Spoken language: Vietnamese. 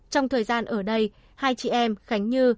trong thời gian ở đây hai chị em khánh như